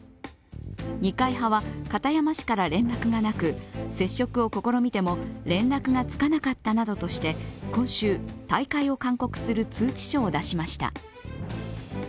二階派は片山氏から連絡がなく接触を試みても連絡がつかなかったなどとして今週、退会を勧告する通知書を出しました。